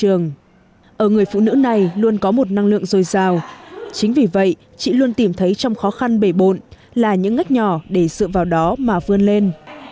ở người phụ nữ này luôn có một năng lượng dồi dào chính vì vậy chị luôn tìm thấy trong khó khăn bể bộn là những ngách nhỏ để dựa vào đó mà vươn lên